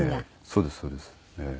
そうですそうです。